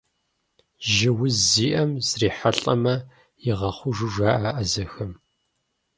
Жьы уз зиӏэм зрихьэлӏэмэ, игъэхъужу жаӏэ ӏэзэхэм.